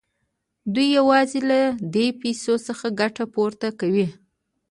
دوی یوازې له دې پیسو څخه ګټه پورته کوي